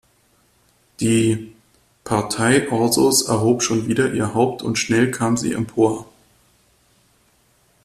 Die „Partei Orsos erhob schon wieder ihr Haupt und schnell kam sie empor“.